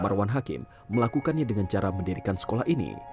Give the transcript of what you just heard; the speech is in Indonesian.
marwan hakim melakukannya dengan cara mendirikan sekolah ini